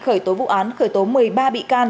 khởi tố vụ án khởi tố một mươi ba bị can